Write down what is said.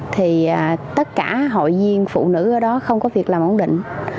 thì tất cả hội viên phụ nữ ở đó không có việc làm ổn định